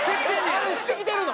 あれしてきてるの？